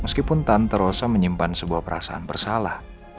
meskipun tante rosa menyimpan sebuah perasaan bersalah